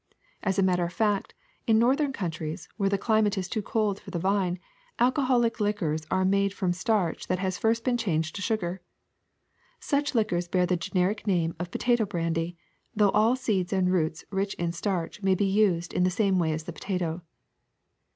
As a matter of fact, in northern countries, where the cli mate is too cold for the vine, alcoholic liquors are made from starch that has first been changed to sugar. Such liquors bear the generic name of po tato brandy, though all seeds and roots rich in starch may be used in the same way as the potato."